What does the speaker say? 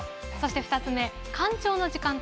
２つ目干潮の時間帯